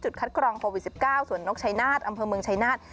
คัดกรองโควิด๑๙สวนนกชัยนาศอำเภอเมืองชายนาฏ